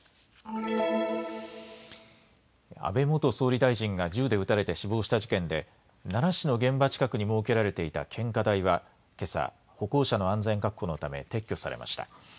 安倍元総理大臣が銃で撃たれて死亡した事件で奈良市の現場近くに設けられていた献花台はけさ歩行者の安全確保のため撤去されました。